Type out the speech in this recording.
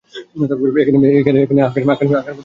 এই আখ্যান বিশেষত ভারতে বহু মুসলিম কবিকে অনুপ্রাণিত করেছে।